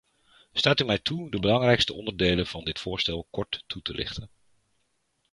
Staat u mij toe de belangrijkste onderdelen van dit voorstel kort toe te lichten.